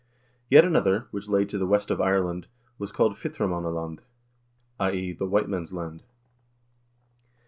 Yet another, which lay to the west of Ireland, was called 'Hvftra manna land' (i.e. the white men's land).